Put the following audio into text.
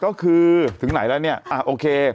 ก็คือถึงไหนแล้วเนี่ยโอเค